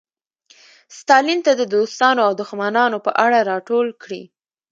ستالین ته د دوستانو او دښمنانو په اړه راټول کړي.